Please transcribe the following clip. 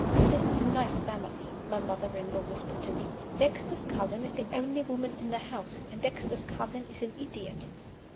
"This is a nice family," my mother in law whispered to me. "Dexter's cousin is the only woman in the house and Dexter's cousin is an idiot."